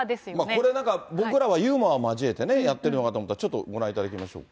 これ、僕らはユーモア交えてやってるのかと思ったら、ちょっとご覧いただきましょうか。